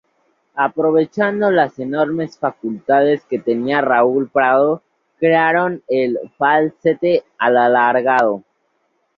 Aprovechando las enormes facultades que tenía Raúl Prado, crearon el Falsete alargado.